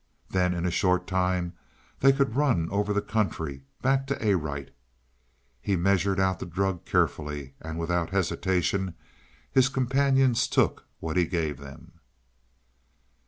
Then in a short time they could run over the country, back to Arite. He measured out the drug carefully, and without hesitation his companions took what he gave them.